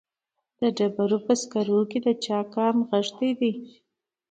په ډبرو سکرو کې د چا کار نغښتی دی